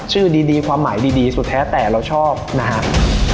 ชื่อดีความหมายดีสุดแท้แต่เราชอบนะครับ